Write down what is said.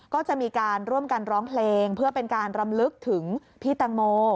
ก็จะมีการร่วมกันร้องเพลงเพื่อเป็นการรำลึกถึงพี่แตงโม